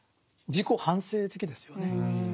自己反省的ですよね。